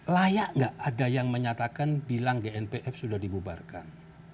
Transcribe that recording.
layak nggak ada yang menyatakan bilang gnpf sudah dibubarkan